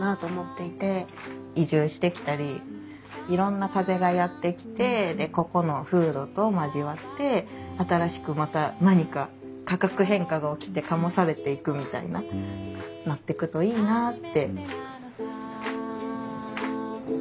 移住してきたりいろんな風がやって来てでここの風土と交わって新しくまた何か化学変化が起きて醸されていくみたいななってくといいなあって。